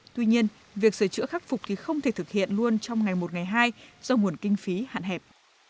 tuy nhiên việc sửa chữa khắc phục thì không thể thực hiện luôn trong ngày một ngày hai do nguồn kinh phí hạn hẹp